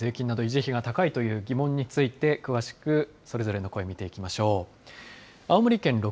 ではまず一番上、税金など維持費が高いという疑問について、詳しくそれぞれの声、見ていきましょう。